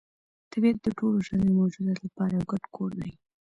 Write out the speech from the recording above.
طبیعت د ټولو ژوندیو موجوداتو لپاره یو ګډ کور دی.